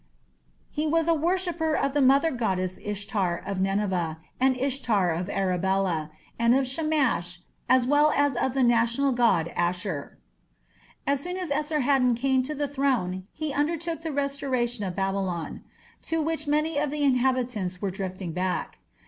He was a worshipper of the mother goddess Ishtar of Nineveh and Ishtar of Arbela, and of Shamash, as well as of the national god Ashur. As soon as Esarhaddon came to the throne he undertook the restoration of Babylon, to which many of the inhabitants were drifting back.